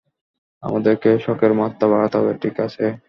আমাদেরকে শকের মাত্রা বাড়াতে হবে, ঠিক আছে?